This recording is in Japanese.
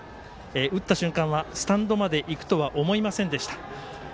打った瞬間はスタンドまで行くと思いませんでした。